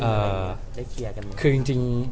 คอลูกหลังบอกว่าได้เคลียร์กันไหม